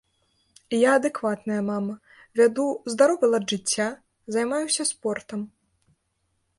І я адэкватная мама, вяду здаровы лад жыцця, займаюся спортам.